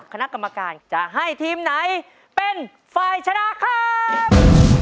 คณะกรรมการจะให้ทีมไหนเป็นฝ่ายชนะครับ